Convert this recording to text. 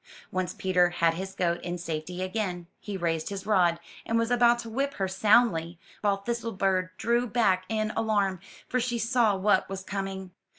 Once Peter had his goat in safety again, he raised his rod, and was about to whip her soundly, while Thistlebird drew back in alarm, for she saw what was coming.